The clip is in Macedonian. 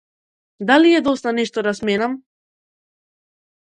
Дали е доцна нешто да сменам?